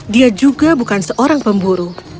dia juga bukan seorang pemburu